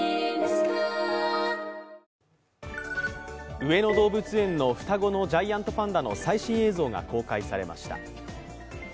上野動物園の双子のジャイアントパンダの最新映像が公開されました。